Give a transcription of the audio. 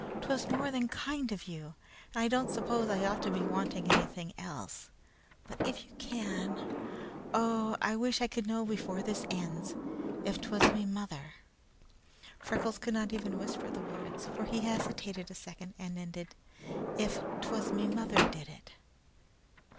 "'Twas more than kind of You and I don't s'pose I ought to be wanting anything else; but if You can, oh, I wish I could know before this ends, if 'twas me mother" Freckles could not even whisper the words, for he hesitated a second and ended "IF 'TWAS ME MOTHER DID IT!"